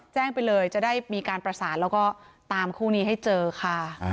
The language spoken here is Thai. แจ้งไปเลยจะได้มีการประสานแล้วก็ตามคู่นี้ให้เจอค่ะ